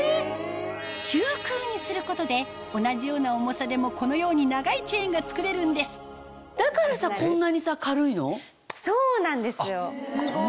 中空にすることで同じような重さでもこのように長いチェーンが作れるんですそうなんですよ。